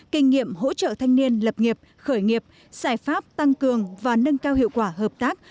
kinh nghiệm hỗ trợ thanh niên lập nghiệp khởi nghiệp giải pháp tăng cường và nâng cao hiệu quả hợp tác